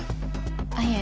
あっいえ